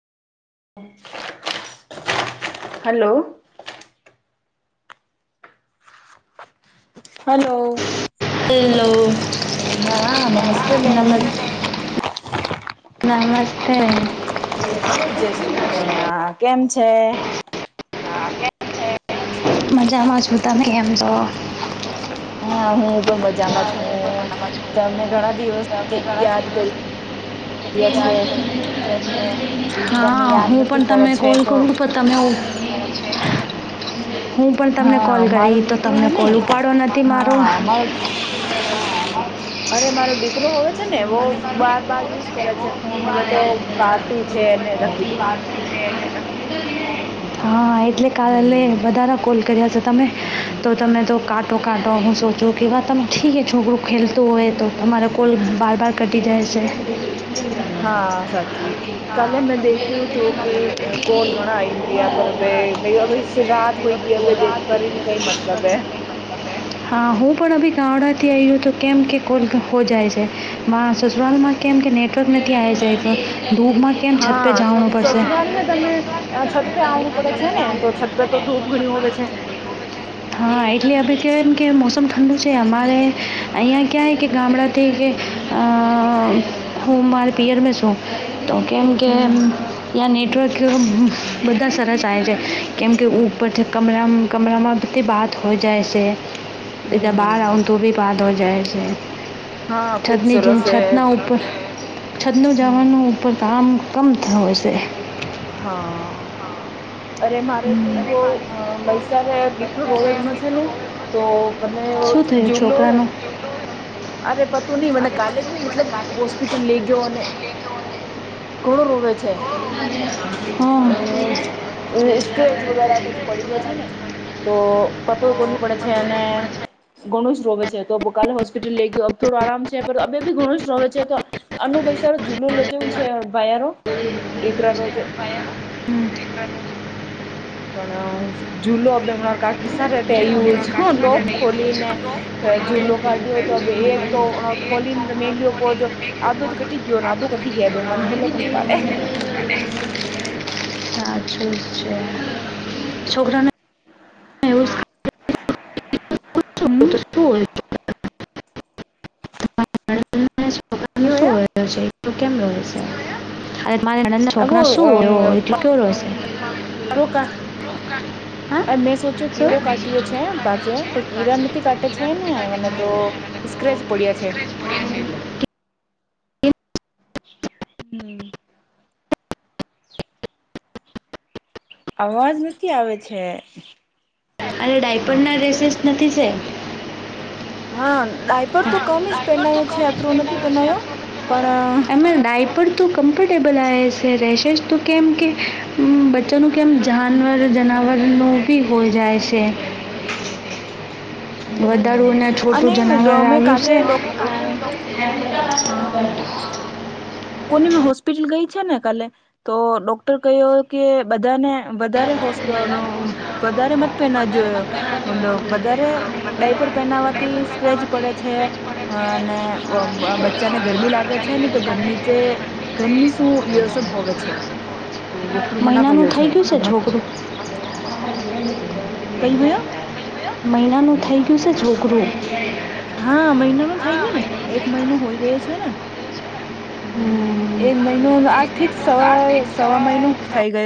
[unintelligible] Hello. Hello. Hello. હા, નમસ્તે બેની. નમસ્તે. જય શ્રી કૃષ્ણ, કેમ છે? હા, કેમ છે? મજામાં છું. તમે કેમ છો? હા, હું પણ મજામાં છું. તમે ઘણા દિવસ તમે ઘણા યાદ દિવસ કરી [unintelligible] રહ્યા છે તમે હા, યાદ હું પણ નથી કરે તમે છે કોલ તો કરું. તમે ઉ [unintelligible] હું, પણ તમને કોલ હા મારો કરી, તો દીકરો તમને હે ને કોલ ઉપાડો નથી મારો. હા મારો અરે મારો દીક વહુ હોવે છે ને, વહુ બાર બાર યુઝ કરે છે. ફોન હોવે તો કાટી છે એને રખી દે. [unintelligible] હા, એટલે કાલે હમ બધાના કોલ તમે તો તમેને તો કાટો કાટો હું સોચો કે વા તમે ઠીક છોકું ખેલતો હોય તો અમારો કોલ બાર બાર કટી જાય છે. હા, સાચી. કાલે મેં દેખ્યું તું કે કોલ ઘણા આઈ. પર બે અ રાત હોય ગ અભ દે કર ઇન કઈ મતલબ હૈ. હા, હું પણ અભી ગામડાથી આ્યી હુએતો કેમ કે કો હો જાય છે. મા સસુરાલમાં કેમ કે નેટવર્ક નથી આવી જાય તો ધૂપમાં કેમ છત હા પે જાણું પડશે? સસુરાલ મે તમે છત પે આવવું પડે છે ને, તો છત પે તો ધૂપ ગણું હોવે છે. હા, એટલે આપણે કહેવાય એમ કે મોસમ ઠંડુ છે. અમારે અહીંયા ક્યાંય કે ગામડા કે અ હોમ માર પિયર મે છું. તો કેમ કેમ. હમ ્યાં નેટવર્ક બધા સરસાય છે, કેમ કે હમ ઉપરથી કમરા કમરામાં અતિ બાત હો જાય છે, જ હમ બહાર આવઉન હમ તો બી બાત હો જાય છે. હા ખુબ છતની જે સરસ હે છતના ઉપર. છત ન હમ જવાનું ઉપર કામ કમ થ હો છે. હા. અરે મારે તોવો મૈસ દીકરો રોવે ઘણો છે ને. તો તને શું થયું જુલોયો. છોકરાનું અરે પતું નહિ મને કાલે બી મતલબ હોસ્પિટલ લઈ ગયોને ઘણું રોવે છે, હા હ. સ્ક્રેચ વગેરેછી પડી ગયા છે, ને તો પતો કોની પડે છે અને ઘણુષ રોવે છે તો કાલે હોસ્પિટલ લઈ ગયો થોડો આરામ છે પણ અ બી ઘણુંષ રોવે છે તો. અનુ ભાઈ સારું જુલું લેજવું છે ભાઈરો, દીકરા રોજ પાયા કર [unintelligible] પણ જુલો બમણા કાકી સ આવું છે લોક ખોલી ને. ઝૂલો કાઢ્યો તો બે એ તો ખોલીને મલ્યો પો જો આદ તો કટી ગયો નદો કટી ગયા બેવને હેલોક પાડે. છોકરા હ [unintelligible] હમ. તો શું હોય હ [unintelligible] કવું હ કેમ અરે મારે નંદ ના છોકરા શું હોું કેવ ર છે [unintelligible] અડો ક [unintelligible] હા અ મેં સોચ્યું શું કીડો કાઢ્યો છે પાછે પણ કીડા નથી કાટે છે ને મને તો. સ્ક્રેચ પડ્યા છે. પ્યા જ [unintelligible] હમ [unintelligible] આવાજમાં ક આવે છે? અને ડાયપંડના ડ્રેસીસ નથી છે. હા ડાયપર તો કમી જ પહેનાયો છે આતરું નથી પહેનાયો, પણ પણ તો કમ્ફર્ટેબલ આવે છે રહેશે જ તો કેમ, કે બચ્ચાનું કેમ જાનવર જનાવરનું બી હોઈ જાય છે. [inaudible] વધારું અને છોટું જનાવર. મે કાલે ડોક હા એ [unintelligible] કોની મે હોસ્પિટલ ગઈ છે ને કાલે, તો ડોક્ટર કહ્યો કે બધાને વધારે હોસ્ વધારે મત તો એના જ. હડો વધારે ડાયપર પહેનાવાથી સ્ક્રેચ પડે છે. અ અને બચ્ચાને ગરમી લાગે છે ને તો ગરમી જે ગરમી શું એ સબ હોવે છે. તો ડોક્ટર મના મહિનાનું કર્યો છે થઈ ગયું કે મત છોકરું [unintelligible] કઈ હોય? મહિનાનું થઈ ગયું છે છોકરું. હા મહિના નો થઈ ગયો ને, એક મહિનો હોય ગયો છે ને. હમ્મ, હમ, એક મહિનો આ થીક સવ સવા મહિનો થઈ ગયો.